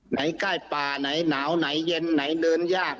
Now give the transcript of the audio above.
ไหนใกล้ป่าไหนหนาวไหนเย็นไหนเดินยาก